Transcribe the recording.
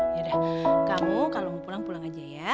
yaudah kamu kalau mau pulang pulang aja ya